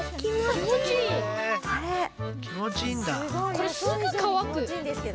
これすぐかわく。